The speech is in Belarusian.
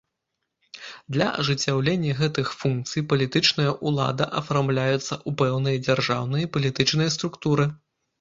Для ажыццяўлення гэтых функцый палітычная ўлада афармляецца ў пэўныя дзяржаўныя і палітычныя структуры.